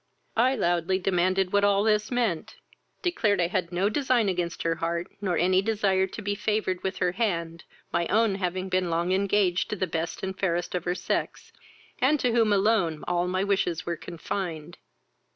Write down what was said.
I loudly demanded what all this meant, declared I had no design against her heart, nor any desire to be favoured with her hand, my own having been long engaged to the best and fairest of her sex, and to whom alone all my wishes were confined.